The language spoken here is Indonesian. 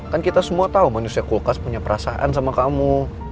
kan kita semua tahu manusia kulkas punya perasaan sama kamu